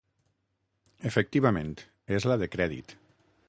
Efectivament, és la de crèdit.